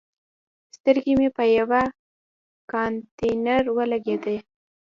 سترګې مې په یوه کانتینر ولګېدي.